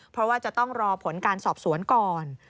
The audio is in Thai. เพราะว่าจะต้องรอผลการสอบสวนก่อน